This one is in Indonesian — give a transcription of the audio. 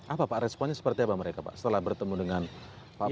apa pak responnya seperti apa mereka pak setelah bertemu dengan pak prabowo